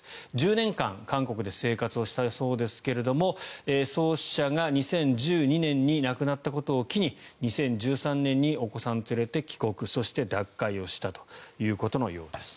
１０年間韓国で生活をしたそうですが創始者が２０１２年に亡くなったことを機に２０１３年にお子さんを連れて帰国そして脱会をしたということのようです。